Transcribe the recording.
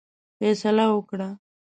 فیصله وکړه.